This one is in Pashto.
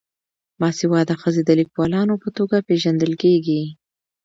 باسواده ښځې د لیکوالانو په توګه پیژندل کیږي.